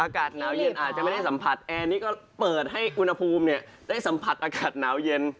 อากาศหนาวเย็นอาจจะไม่ได้สัมผัสแอร์นี่ก็เปิดให้อุณหภูมิได้สัมผัสอากาศหนาวเย็น